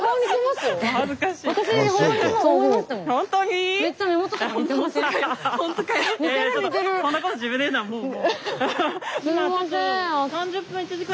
すいません。